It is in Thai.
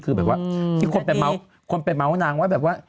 คือแบบว่าที่คนไปเม้านางว่าแบบว่า